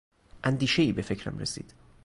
اندیشهای به فکرم رسید.